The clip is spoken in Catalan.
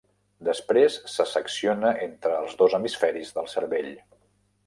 Després, se secciona entre els dos hemisferis del cervell.